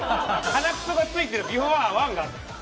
鼻くそがついてるビフォー１がある。